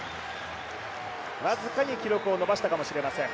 僅かに記録を伸ばしたかもしれません。